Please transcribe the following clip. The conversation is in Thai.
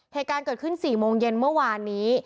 เหตุการณ์เกิดขึ้น๔โมงเย็นเมื่อวานนี้